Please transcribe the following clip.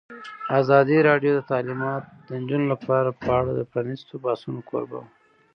ازادي راډیو د تعلیمات د نجونو لپاره په اړه د پرانیستو بحثونو کوربه وه.